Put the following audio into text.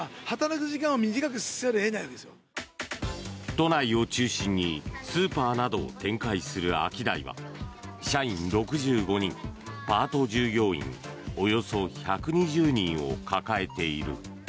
都内を中心にスーパーなどを展開するアキダイは社員６５人パート従業員およそ１２０人を抱えている。